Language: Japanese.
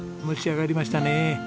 蒸し上がりましたね。